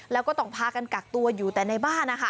แล้วก็ต้องพากันกักตัวอยู่แต่ในบ้านนะคะ